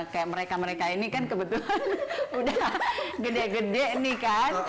kayak mereka mereka ini kan kebetulan udah gede gede nih kan